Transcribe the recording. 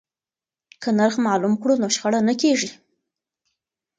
که نرخ معلوم کړو نو شخړه نه کیږي.